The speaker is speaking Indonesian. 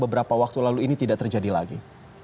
beberapa waktu lalu ini tidak terjadi lagi